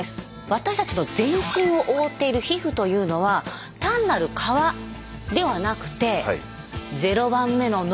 私たちの全身を覆っている皮膚というのは単なる「皮」ではなくて「０番目の脳」。